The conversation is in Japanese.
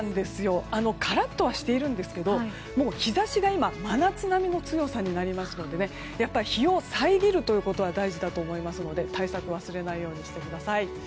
カラッとはしているんですけどもう日差しが今真夏並みの強さになりますのでやっぱり日を遮るということは大事だと思いますので対策を忘れないようにしてください。